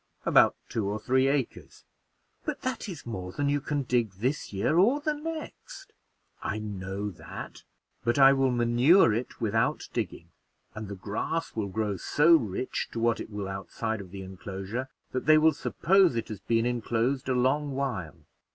"About two or three acres." "But that is more than you can dig this year or the next." "I know that; but I will manure it without digging, and the grass will grow so rich to what it will outside of the inclosure, that they will suppose it has been inclosed a long while."